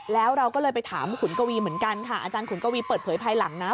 แล้วเราก็เลยไปถามขุนกวีเหมือนกันค่ะอาจารย์ขุนกวีเปิดเผยภายหลังนะ